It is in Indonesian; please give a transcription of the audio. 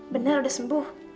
bener udah sembuh